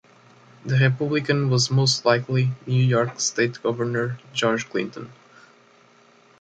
"The Republican" was most likely New York state governor George Clinton.